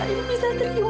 kamu bisa terima